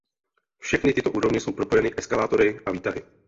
Všechny tyto úrovně jsou propojeny eskalátory a výtahy.